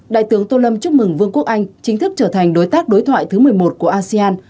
đại tướng tô lâm chúc mừng vương quốc anh chính thức trở thành đối tác đối thoại thứ một mươi một của asean